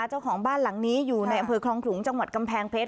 เจ้าของบ้านหลังนี้อยู่ในอำเภอคลองขลุงจังหวัดกำแพงเพชร